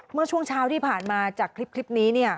เมื่อช่วงเช้าที่ผ่านมาจากคลิปนี้